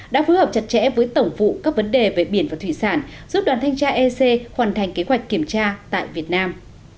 đã phối hợp chặt chẽ với tổng vụ cấp vấn đề về biển và thủy sản giúp đoàn thanh tra ec hoàn thành kế hoạch kiểm tra tại việt nam